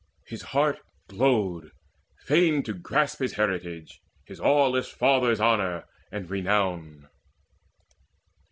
His heart glowed, fain to grasp his heritage, His aweless father's honour and renown.